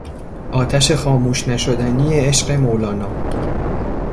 آتش خاموش نشدنی عشق مولانا